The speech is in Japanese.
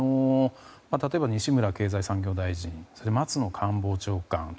例えば西村経済産業大臣松野官房長官党